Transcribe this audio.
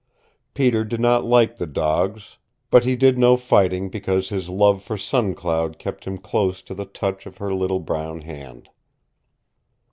Peter did not like the dogs, but he did no fighting because his love for Sun Cloud kept him close to the touch of her little brown hand.